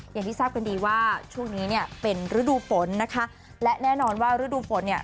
อย่างที่ทราบกันดีว่าช่วงนี้เนี่ยเป็นฤดูฝนนะคะและแน่นอนว่าฤดูฝนเนี่ย